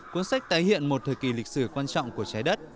cuốn sách tái hiện một thời kỳ lịch sử quan trọng của trái đất